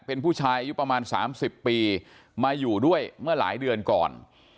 เป็นผู้ชายอายุประมาณ๓๐ปีมาอยู่ด้วยเมื่อหลายเดือนก่อน